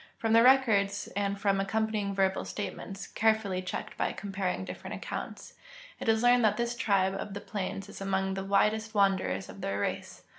From the records and from accompanying verbal statements, carefully checked by comparing different accounts, it is learned that this tribe of the plains is among the widest wanderers of their race.